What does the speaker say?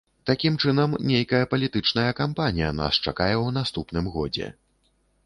Такім чынам, нейкая палітычная кампанія нас чакае ў наступным годзе.